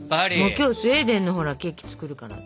今日スウェーデンのほらケーキ作るから。ね